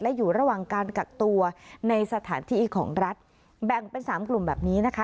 และอยู่ระหว่างการกักตัวในสถานที่ของรัฐแบ่งเป็นสามกลุ่มแบบนี้นะคะ